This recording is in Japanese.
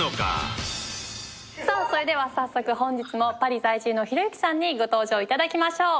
さあそれでは早速本日もパリ在住のひろゆきさんにご登場頂きましょう。